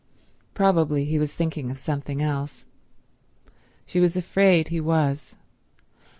Probably he was thinking of something else. She was afraid he was.